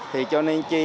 thì cho nên chi